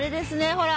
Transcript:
ほら。